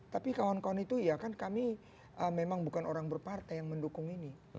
tapi kawan kawan itu ya kan kami memang bukan orang berpartai yang mendukung ini